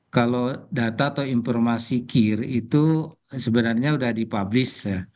kalau data atau informasi kir itu sebenarnya sudah dipublis ya